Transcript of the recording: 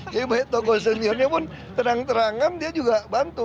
jadi tokoh seniornya pun terang terangam dia juga bantu